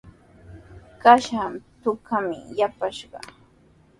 Kashami trakiiman yakushqa.